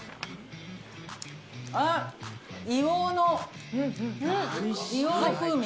ああ、硫黄の風味。